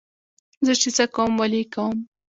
زه چې څه کوم ولې یې کوم.